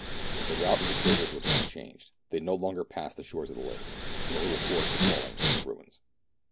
The route of the traders was now changed '. they no longer passed the shores of the lake, and the little fort was falling into ruins.